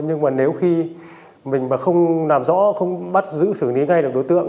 nhưng mà nếu khi mình không làm rõ không bắt giữ xử lý ngay đối tượng